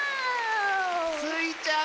スイちゃん